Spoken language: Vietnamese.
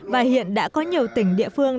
và hiện đã có nhiều tỉnh địa phương